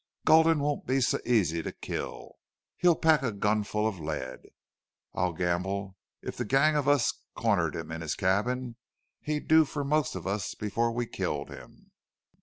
"Gulden won't be so easy to kill. He'll pack a gunful of lead. I'll gamble if the gang of us cornered him in this cabin he'd do for most of us before we killed him."